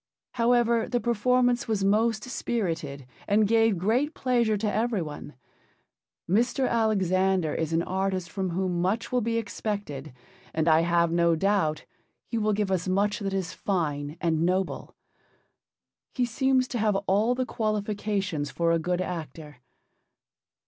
However, the performance was most spirited and gave great pleasure to every one. Mr. Alexander is an artist from whom much will be expected, and I have no doubt he will give us much that is fine and noble. He seems to have all the qualifications for a good actor.